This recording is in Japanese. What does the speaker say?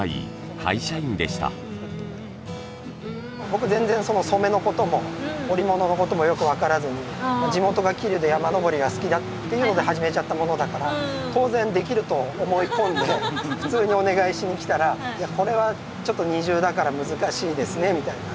僕全然染めの事も織物の事もよく分からずに地元が桐生で山登りが好きだっていうので始めちゃったものだから当然できると思い込んで普通にお願いしに来たら「いやこれはちょっと２重だから難しいですね」みたいな。